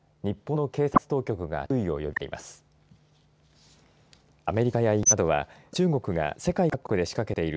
日本の警察当局が注意を呼びかけています。